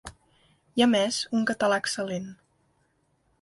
I a més un català excel·lent.